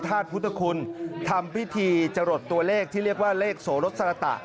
ธาตุพุทธคุณทำพิธีจรดตัวเลขที่เรียกว่าเลขโสรสสรตะ